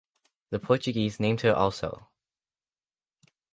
The Portuguese named her also.